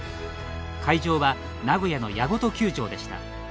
会場は名古屋の八事球場でした。